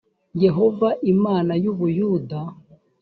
yehova imana y u buyuda